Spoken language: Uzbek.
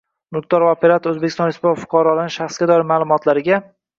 Mulkdor va operator O‘zbekiston Respublikasi fuqarolarining shaxsga doir ma’lumotlariga